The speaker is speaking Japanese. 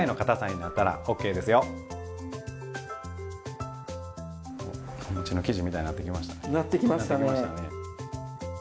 なってきましたね。